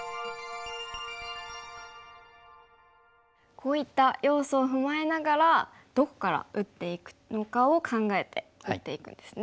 こういった要素を踏まえながらどこから打っていくのかを考えて打っていくんですね。